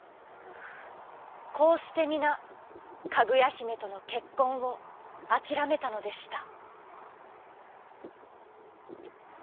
こうしてみなかぐやひめとのけっこんをあきらめたのでした。